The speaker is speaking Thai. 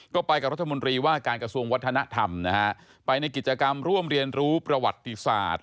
ก็ไปกับรัฐมนตรีว่าการกระทรวงวัฒนธรรมนะฮะไปในกิจกรรมร่วมเรียนรู้ประวัติศาสตร์